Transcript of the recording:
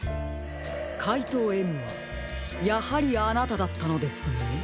かいとうＭはやはりあなただったのですね。